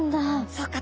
そうか！